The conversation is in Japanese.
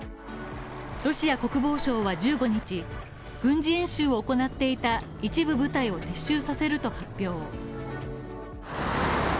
ロシア国防省は１５日、軍事演習を行っていた一部部隊を撤収させると発表。